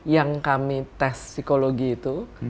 yang kami tes psikologi itu